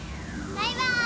バイバイ！